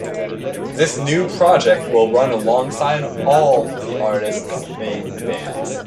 This new project will run alongside all the artists' main bands.